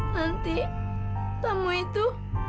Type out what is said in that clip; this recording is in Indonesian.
nanti tamu itu